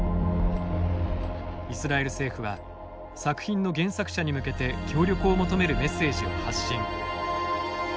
イスラエル政府は作品の原作者に向けて協力を求めるメッセージを発信。